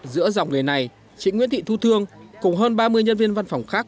giữa dòng người này chị nguyễn thị thu thương cùng hơn ba mươi nhân viên văn phòng khác